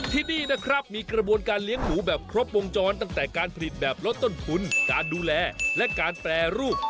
ที่นี่นะครับมีกระบวนการเลี้ยงหมูแบบครบวงจรตั้งแต่การผลิตแบบลดต้นทุนการดูแลและการแปรรูป